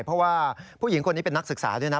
เพราะว่าผู้หญิงคนนี้เป็นนักศึกษาด้วยนะ